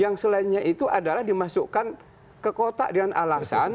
yang selainnya itu adalah dimasukkan kekota dengan alasan